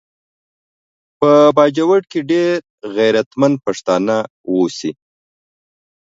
په باجوړ کې ډیر غیرتمند پښتانه اوسیږي